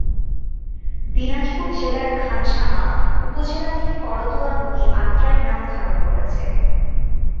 দিনাজপুর জেলার খানসামা উপজেলা থেকে করতোয়া নদী আত্রাই নাম ধারণ করেছে।